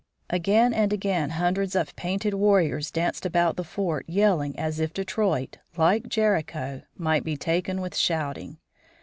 Again and again hundreds of painted warriors danced about the fort yelling as if Detroit, like Jericho, might be taken with shouting.